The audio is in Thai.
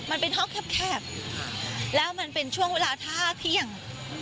มันเป็นห้องแคบแล้วมันเป็นช่วงเวลาท่าเที่ยง